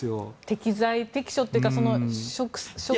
適材適所というか職務。